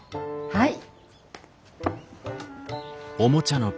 はい。